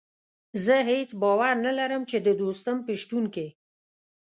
زه هېڅ باور نه لرم چې د دوستم په شتون کې.